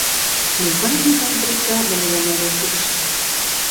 Могай-могай бригаде лийын огыл тушто!